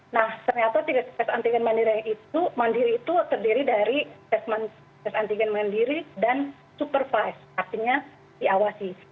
nah ternyata tes antigen mandiri itu terdiri dari tes antigen mandiri dan supervised artinya diawasi